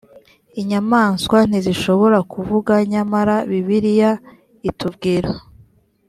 inyamaswa ntizishobora kuvuga nyamara bibiliya itubwira